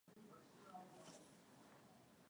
weka mayai kwenye mchanganyiko wa keki ya viazi lishe